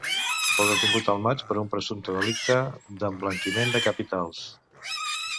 Fou detingut el maig per un presumpte delicte d’emblanquiment de capitals.